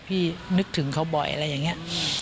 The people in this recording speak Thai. นึกถึงเขาบ่อยอะไรอย่างนี้